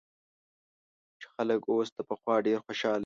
چې خلک اوس له پخوا ډېر خوشاله وي